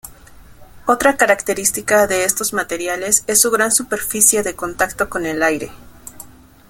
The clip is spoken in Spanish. Otra característica de estos materiales es su gran superficie de contacto con el aire.